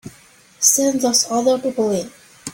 Send those other people in.